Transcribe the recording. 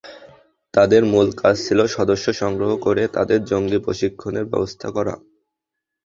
তাঁদের মূল কাজ ছিল সদস্য সংগ্রহ করে তাঁদের জঙ্গি প্রশিক্ষণের ব্যবস্থা করা।